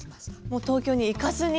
もう東京に行かずに。